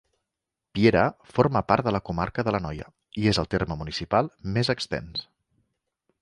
Piera forma part de la comarca de l'Anoia i és el terme municipal més extens.